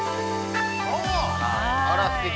◆あら、すてき。